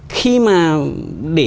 khi mà để